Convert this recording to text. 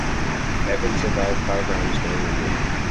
Evans survived five wounds during the war.